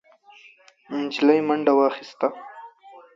نجلۍ منډه واخيسته،